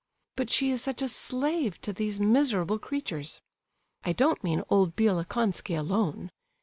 But she is such a slave to these miserable creatures! I don't mean old Bielokonski alone.